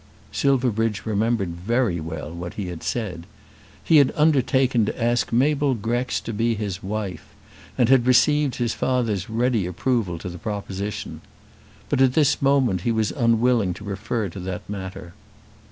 Silverbridge remembered very well what he had said. He had undertaken to ask Mabel Grex to be his wife, and had received his father's ready approval to the proposition. But at this moment he was unwilling to refer to that matter.